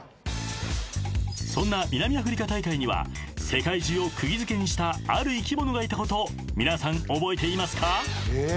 ［そんな南アフリカ大会には世界中を釘付けにしたある生き物がいたこと皆さん覚えていますか？］